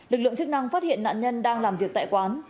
lực lượng chức năng phát hiện nạn nhân đang làm việc tại quán